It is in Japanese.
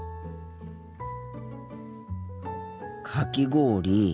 かき氷。